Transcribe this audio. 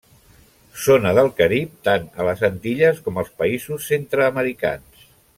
Zona del Carib, tant a les Antilles com als països centreamericans.